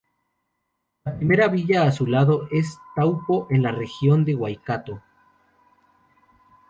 La primera villa a su lado es Taupo en la región de Waikato.